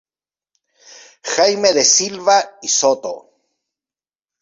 Jaime de Silva y Soto.